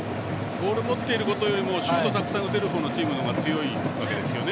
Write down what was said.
ボールを持っていることよりもシュートをたくさん打てるチームの方が強いわけですよね。